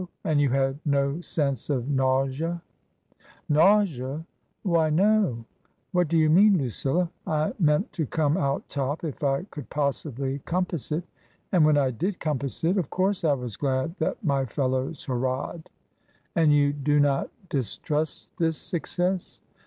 And you had no sense of nausea ?" Nausea ? Why, no ! What do you mean, Lucilla ? I meant to come out top if I could possibly compass it. And when I did compass it, of course I was glad that my fellows hurrahed." " And you do not distrust this success